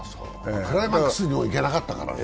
クライマックスにも行けなかったからね